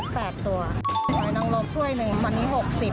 ปลายน้ำลมคร่วยหนึ่งอันนี้๖๐